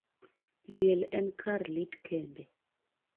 Liel en kar lit kende.